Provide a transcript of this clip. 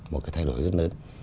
một cái thay đổi rất lớn